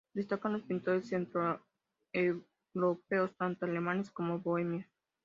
Destacan los pintores centroeuropeos, tanto alemanes como bohemios.